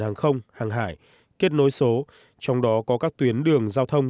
hàng không hàng hải kết nối số trong đó có các tuyến đường giao thông